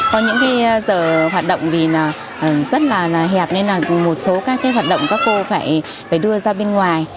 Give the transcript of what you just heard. có những cái giờ hoạt động rất là hẹp nên là một số các cái hoạt động các cô phải đưa ra bên ngoài